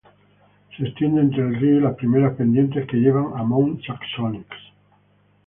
Se extiende entre el río y las primeras pendientes que llevan a Mont-Saxonnex.